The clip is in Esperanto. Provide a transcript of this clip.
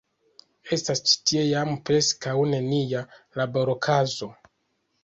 Estas ĉi tie jam preskaŭ nenia labor-okazo.